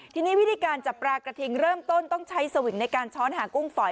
ทีนี้วิธีการจับปลากระทิงเริ่มต้นต้องใช้สวิงในการช้อนหากุ้งฝอย